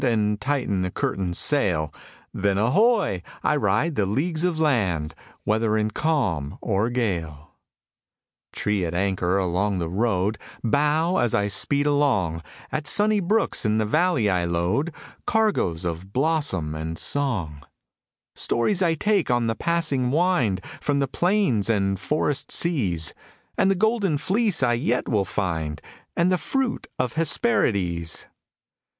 And tighten the curtain sail, Then, ahoy! I ride the leagues of land. Whether in calm or gale. 38 Preparedness Trees at anchor along the road Bow as I speed along; At sunny brooks in the valley I load Cargoes of blossom and song; Stories I take on the passing wind From the plains and forest seas, And the Golden Fleece I yet will find, And the fruit of Hesperides.